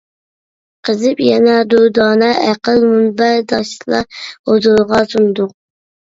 قېزىپ يەنە دۇردانە ئەقىل، مۇنبەرداشلار ھۇزۇرىغا سۇندۇق.